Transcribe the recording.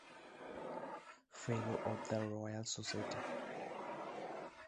fellow of the Royal society